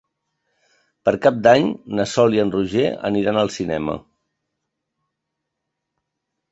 Per Cap d'Any na Sol i en Roger aniran al cinema.